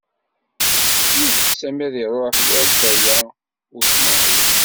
Yugi Sami ad iṛuḥ war Baya U Smaɛil.